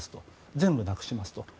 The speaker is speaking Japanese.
全部なくしますと。